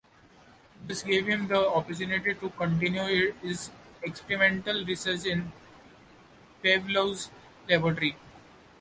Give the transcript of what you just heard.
This gave him the opportunity to continue his experimental research in Pavlov's laboratory.